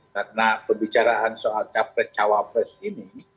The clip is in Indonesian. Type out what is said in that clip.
karena pembicaraan soal capres cawapres ini